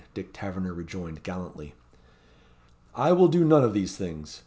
Dick Tavernor rejoined, gallantly. "I will do none of these things.